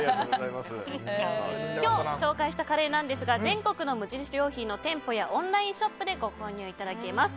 今日紹介したカレーですが全国の無印良品の店舗やオンラインショップでご購入できます。